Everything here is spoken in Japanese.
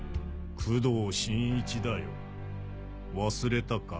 工藤新一だよ忘れたか？